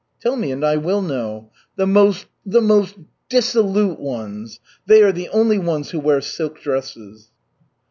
"Tell me and I will know." "The most the most dissolute ones. They are the only ones who wear silk dresses."